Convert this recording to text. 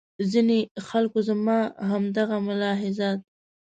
ځینې خلکو زما همدغه ملاحظات.